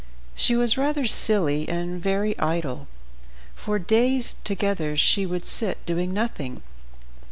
She was rather silly and very idle. For days together she would sit doing nothing.